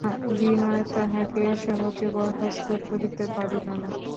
বিনয় তাহাকে সহজে বরখাস্ত করিতে পারিল না।